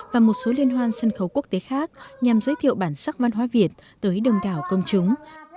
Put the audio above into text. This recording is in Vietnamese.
và một số liên hoan sân khấu quốc tế khác nhằm giới thiệu bản sắc văn hóa việt tới đông đảo công chúng